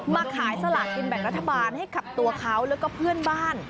ขายสลากกินแบ่งรัฐบาลให้กับตัวเขาแล้วก็เพื่อนบ้าน